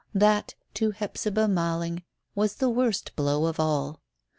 That to Hephzibah Malling was the worst blow of all.